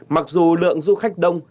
mặc dù lượng du khách đông